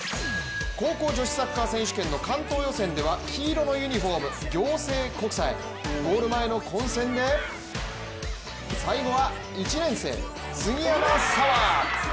高校女子サッカー選手権の関東予選では黄色のユニフォーム暁星国際ゴール前の混戦で最後は１年生、杉山咲和。